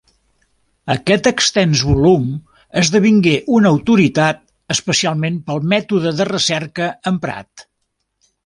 Aquest extens volum esdevingué una autoritat, especialment pel mètode de recerca emprat.